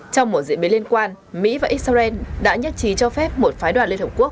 trong một diễn biến liên quan mỹ và israel đã nhất trí cho phép một phái đoàn liên hợp quốc